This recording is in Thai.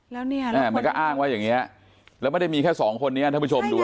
แล้วเนี่ยมันก็อ้างว่าอย่างนี้แล้วไม่ได้มีแค่สองคนนี้ท่านผู้ชมดู